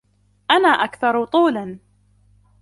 أنا أكثر طولاً.